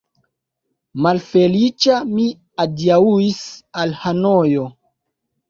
Malfeliĉa mi adiaŭis al Hanojo.